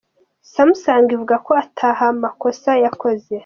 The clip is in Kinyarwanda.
Samsung ivuga ko ata makosa yakoze.